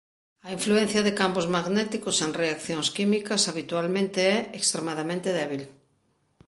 A influencia de campos magnéticos en reaccións químicas habitualmente é extremadamente débil.